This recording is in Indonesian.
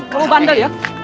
kamu bandel ya